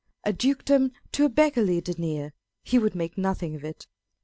" A Dukedom to a beggarly denier," he would make nothing of it.